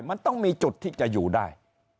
มันต้องมีจุดที่จะอยู่ได้